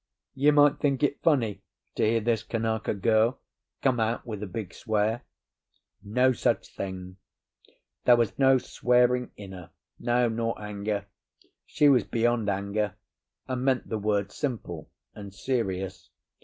You might think it funny to hear this Kanaka girl come out with a big swear. No such thing. There was no swearing in her—no, nor anger; she was beyond anger, and meant the word simple and serious.